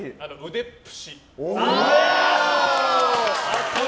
腕っぷし。